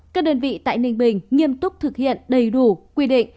các đơn vị tại ninh bình nghiêm túc thực hiện đầy đủ quy định